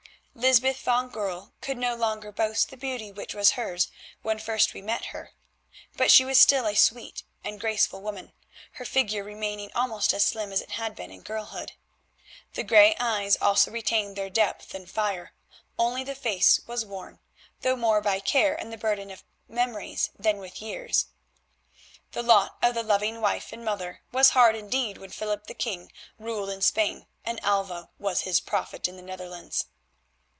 Lysbeth van Goorl could no longer boast the beauty which was hers when first we met her, but she was still a sweet and graceful woman, her figure remaining almost as slim as it had been in girlhood. The grey eyes also retained their depth and fire, only the face was worn, though more by care and the burden of memories than with years. The lot of the loving wife and mother was hard indeed when Philip the King ruled in Spain and Alva was his prophet in the Netherlands.